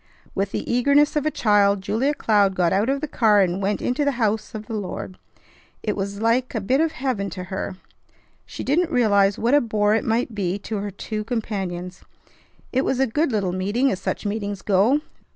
With the eagerness of a child Julia Cloud got out of the car and went into the house of the Lord. It was like a bit of heaven to her. She didn't realize what a bore it might be to her two companions. It was a good little meeting as such meetings go.